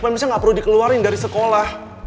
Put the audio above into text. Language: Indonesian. supaya misalnya gak perlu dikeluarin dari sekolah